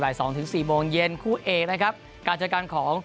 สองถึงสี่โมงเย็นคู่เอกนะครับการเจอกันของ